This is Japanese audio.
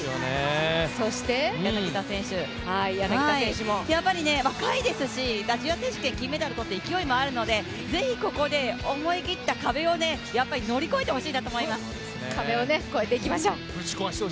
そして柳田選手、やっぱり若いですしアジア選手権銀メダルをとって勢いもあるのでぜひここで思い切った壁を乗り越えてほしいなと思います。